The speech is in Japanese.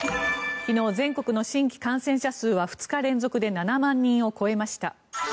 昨日、全国の新規感染者数は２日連続で７万人を超えました。